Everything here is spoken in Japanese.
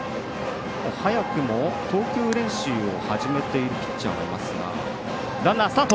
早くも投球練習を始めているピッチャーがいますが。